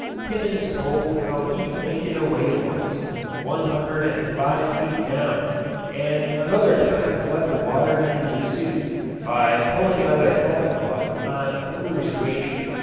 Timmans told how he fainted away once, one hundred and five feet down, and another time let the water into his suit by pulling out a helmet lug on a foolish wager.